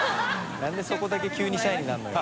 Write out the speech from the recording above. なんでそこだけ急にシャイになるのよ。